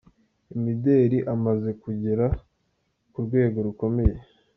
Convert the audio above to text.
Imideli amaze kugera ku rwego rukomeye.